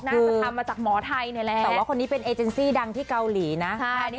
น่าจะทำมาจากหมอไทยนี่แหละแต่ว่าคนนี้เป็นเอเจนซี่ดังที่เกาหลีนะ